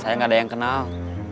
saya nggak ada yang kenal